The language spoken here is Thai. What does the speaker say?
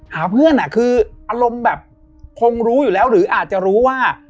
หาเพื่อนคืออารมณ์แบบคงรู้อยู่แล้วหรืออาจจะรู้ว่า